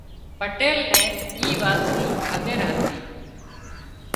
پٽيل نين اي وات ني کٻير هتي